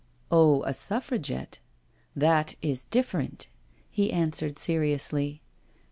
" Oh, a Suffragette, that b different," he answered seriously.